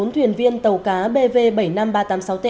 bốn thuyền viên tàu cá bv bảy mươi năm nghìn ba trăm tám mươi sáu t